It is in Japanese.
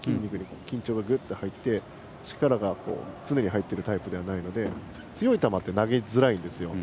緊張がグッと入って力が常に入っているタイプではないので強い球は投げづらくて。